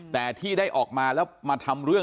แต่ที่ได้ออกมาแล้วมาทำเรื่อง